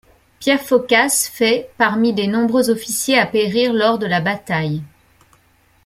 Pierre Phocas fait parmi des nombreux officiers à périr lors de la bataille.